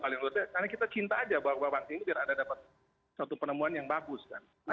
karena kita cinta aja bahwa bangsa ini biar ada dapat satu penemuan yang bagus kan